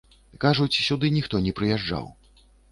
Кажуць, сюды ніхто не прыязджаў.